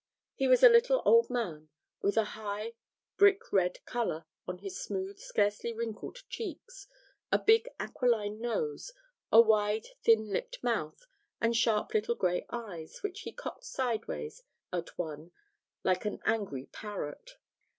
He was a little old man, with a high brick red colour on his smooth, scarcely wrinkled cheeks, a big aquiline nose, a wide thin lipped mouth, and sharp little grey eyes, which he cocked sideways at one like an angry parrot.